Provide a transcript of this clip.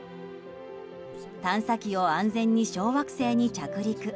探査機を安全に小惑星に着陸。